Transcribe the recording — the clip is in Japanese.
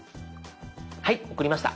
はい送りました。